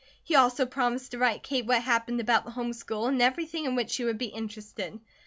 He also promised to write Kate what happened about the home school and everything in which she would be interested.